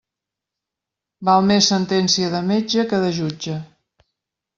Val més sentència de metge que de jutge.